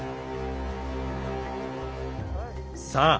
さあ